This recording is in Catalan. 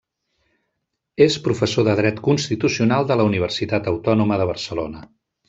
És professor de dret Constitucional de la Universitat Autònoma de Barcelona.